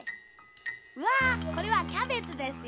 わこれはキャベツですよ。